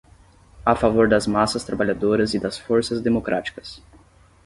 a favor das massas trabalhadoras e das forças democráticas